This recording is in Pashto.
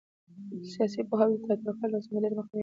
سیاسي پوهاوی د تاوتریخوالي او ناسم مدیریت مخنیوي کوي